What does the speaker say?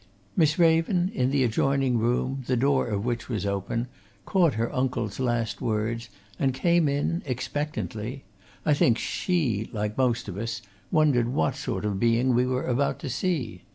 Miss Raven, in the adjoining room, the door of which was open, caught her uncle's last words, and came in, expectantly I think she, like most of us, wondered what sort of being we were about to see.